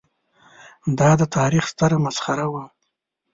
دا د تاریخ ستره مسخره وه.